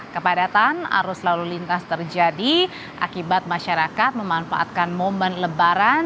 kepadatan arus lalu lintas terjadi akibat masyarakat memanfaatkan momen lebaran